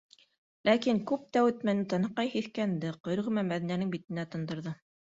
Ләкин күп тә үтмәне, танаҡай һиҫкәнде, ҡойроғо менән Мәҙинәнең битенә тондорҙо.